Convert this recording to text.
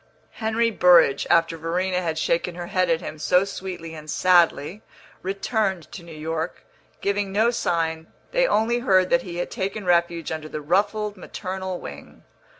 Henry Burrage, after Verena had shaken her head at him so sweetly and sadly, returned to New York, giving no sign; they only heard that he had taken refuge under the ruffled maternal wing.